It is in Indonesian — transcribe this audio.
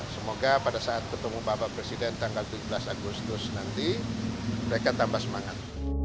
semoga pada saat ketemu bapak presiden tanggal tujuh belas agustus nanti mereka tambah semangat